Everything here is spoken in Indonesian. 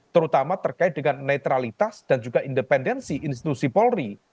terutama terkait dengan netralitas dan juga independensi institusi polri